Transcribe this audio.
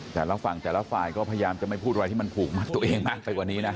แต่ละฝั่งแต่ละฝ่ายก็พยายามจะไม่พูดอะไรที่มันผูกมัดตัวเองมากไปกว่านี้นะ